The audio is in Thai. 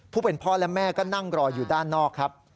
ผู้เป็นพ่อและแม่ก็นั่งรออยู่ด้านนอกครับ